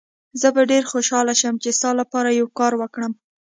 زه به ډېر خوشحاله شم چي ستا لپاره یو کار وکړم.